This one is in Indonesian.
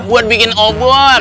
buat bikin obor